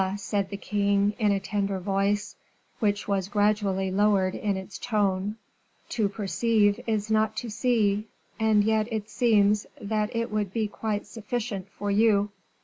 said the king, in a tender voice, which was gradually lowered in its tone, "to perceive is not to see, and yet it seems that it would be quite sufficient for you."